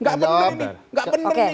nggak bener nih